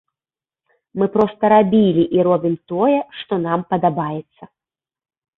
Мы проста рабілі і робім тое, што нам падабаецца.